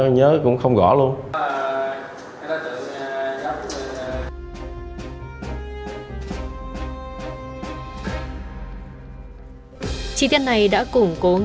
nhớ cũng không gõ luôn